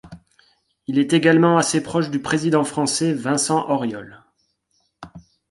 Il est également assez proche du président français Vincent Auriol.